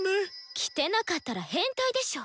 着てなかったら変態でしょう！